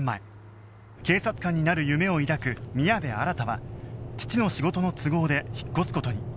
警察官になる夢を抱く宮部新は父の仕事の都合で引っ越す事に